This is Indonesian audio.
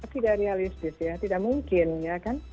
tidak realistis ya tidak mungkin ya kan